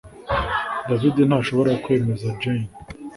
David ntashobora kwemeza Jane